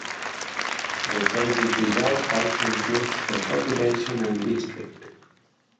The table below also includes the population and district.